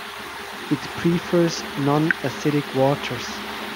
It prefers non-acidic waters.